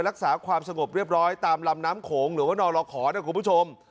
รักษาความสงบเรียบร้อยตามลำน้ำโขงหรือว่านรขอนะคุณผู้ชม